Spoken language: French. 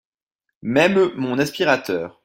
Même mon aspirateur